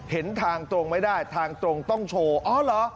เห็นทางตรงไม่ได้ทางตรงต้องโชว์อ๋อเหรอ